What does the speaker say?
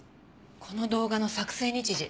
この動画の作成日時